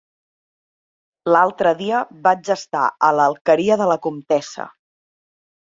L'altre dia vaig estar a l'Alqueria de la Comtessa.